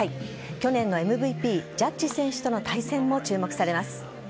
去年のＭＶＰジャッジ選手との対戦も注目されます。